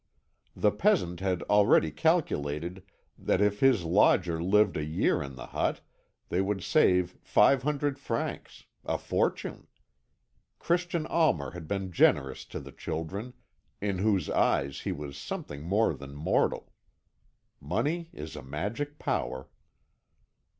The peasant had already calculated that if his lodger lived a year in the hut, they could save five hundred francs a fortune. Christian Almer had been generous to the children, in whose eyes he was something more than mortal. Money is a magic power.